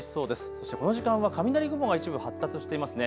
そしてこの時間は雷雲が一部、発達していますね。